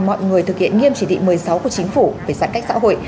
mọi người thực hiện nghiêm chỉ thị một mươi sáu của chính phủ về giãn cách xã hội